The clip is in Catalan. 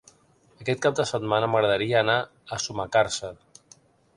Aquest cap de setmana m'agradaria anar a Sumacàrcer.